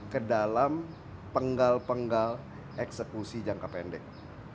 ke dalam penggal penggal eksekusi jangka pendek